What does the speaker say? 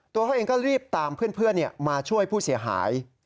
ตัวเขาเองก็รีบตามเพื่อนมาช่วยผู้เสียหาย